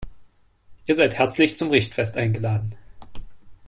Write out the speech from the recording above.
Ihr seid herzlich zum Richtfest eingeladen.